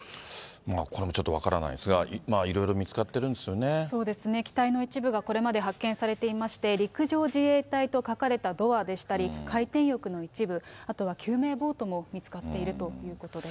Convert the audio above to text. これもちょっと分からないですが、いろいろ見つかってるんでそうですね、機体の一部がこれまで発見されていまして、陸上自衛隊と書かれたドアでしたり、回転翼の一部、あとは救命ボートも見つかっているということです。